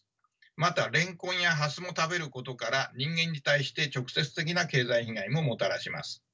またレンコンやハスも食べることから人間に対して直接的な経済被害ももたらします。